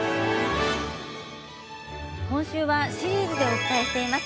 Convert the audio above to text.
今週はシリーズでお伝えしています